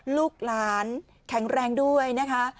ลูกหลานแข็งแรงด้วยนะคะ